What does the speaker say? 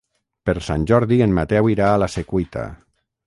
Per Sant Jordi en Mateu irà a la Secuita.